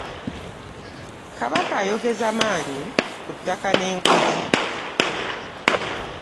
Kabaka ayogezza maanyi ku ttaka n'enguzi.